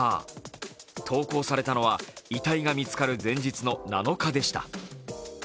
投稿されたのは遺体が見つかる前日の７日でした。